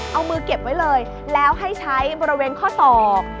เอามือเก็บไว้เลยแล้วให้ใช้บริเวณข้อศอก